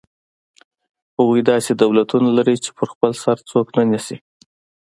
هغوی داسې دولتونه لري چې په خپل سر څوک نه نیسي.